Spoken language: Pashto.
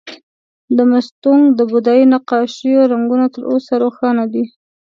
د مستونګ د بودايي نقاشیو رنګونه تر اوسه روښانه دي